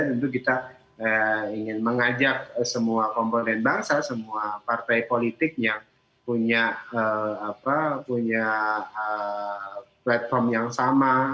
tentu kita ingin mengajak semua komponen bangsa semua partai politik yang punya platform yang sama